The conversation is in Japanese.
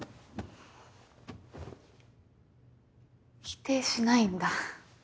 否定しないんだ。